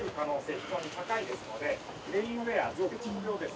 非常に高いですのでレインウェア上下着用です。